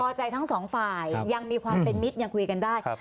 พอใจทั้งสองฝ่ายยังมีความเป็นมิตรยังคุยกันได้